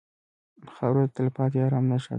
خاوره د تلپاتې ارام نښه ده.